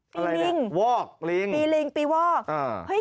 ปีลิงปีลิงปีวอกอ่าอะไรเนี่ย